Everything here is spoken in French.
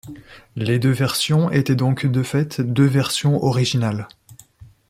Les deux versions étaient donc de fait deux versions originales.